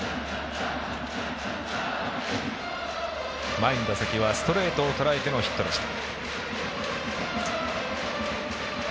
前の打席はストレートをとらえてのヒットでした。